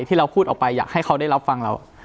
ที่เราพูดออกไปอยากให้เขาได้รับฟังเรา